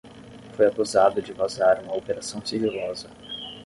Foi acusado de vazar uma operação sigilosa.